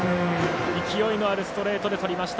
勢いのあるストレートでとりました。